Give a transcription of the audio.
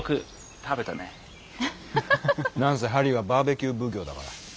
何せハリーはバーベキュー奉行だから。